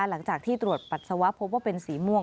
หลังจากที่ตรวจปัสสาวะพบว่าเป็นสีม่วง